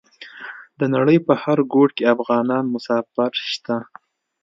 د نړۍ په هر ګوټ کې افغانان مسافر شته.